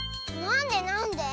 なんでなんで？